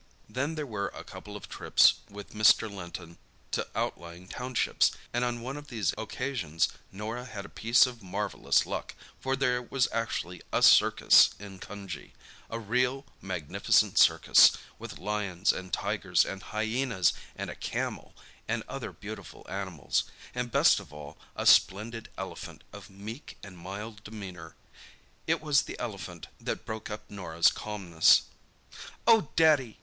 Then there were a couple of trips with Mr. Linton to outlying townships, and on one of these occasions Norah had a piece of marvellous luck, for there was actually a circus in Cunjee—a real, magnificent circus, with lions and tigers and hyaenas, and a camel, and other beautiful animals, and, best of all, a splendid elephant of meek and mild demeanour. It was the elephant that broke up Norah's calmness. "Oh, Daddy!"